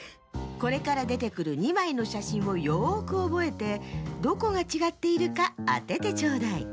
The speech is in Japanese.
これからでてくる２まいのしゃしんをよくおぼえてどこがちがっているかあててちょうだい。